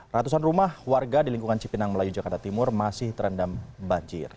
ratusan rumah warga di lingkungan cipinang melayu jakarta timur masih terendam banjir